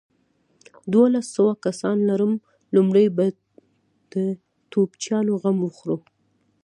دوولس سوه کسان لرم، لومړۍ به د توپچيانو غم وخورو.